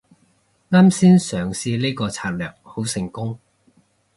啱先嘗試呢個策略好成功